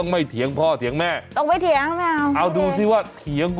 มันเถียงได้ด้านไหน